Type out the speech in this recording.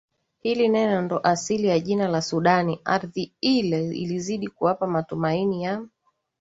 Hili neno ndo asili ya jina la sudani Ardhi ile ilizidi kuwapa Matumaini ya